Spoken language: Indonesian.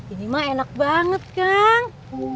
ini mah enak banget kang